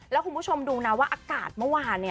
แล้วคุณผู้ชมดูนะว่าอากาศเมื่อวาน